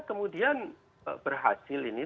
kemudian berhasil ini